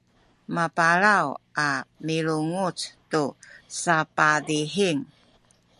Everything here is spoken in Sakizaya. mapalaw a milunguc tu sapadihing